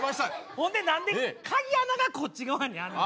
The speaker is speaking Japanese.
ほんで何で鍵穴がこっち側にあんねん。